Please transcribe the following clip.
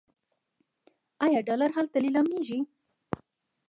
آیا ډالر هلته لیلامیږي؟